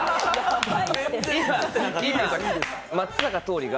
今、松坂桃李が。